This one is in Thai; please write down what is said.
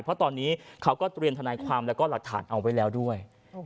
เพราะตอนนี้เขาก็เตรียมทนายความแล้วก็หลักฐานเอาไว้แล้วด้วย